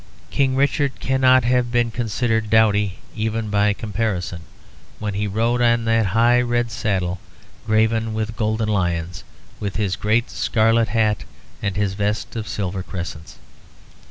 King Richard cannot have been considered dowdy, even by comparison, when he rode on that high red saddle graven with golden lions, with his great scarlet hat and his vest of silver crescents.